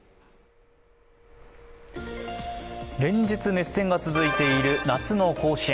連日、熱戦が続いている夏の甲子園。